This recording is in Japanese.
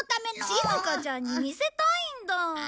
しずかちゃんに見せたいんだ。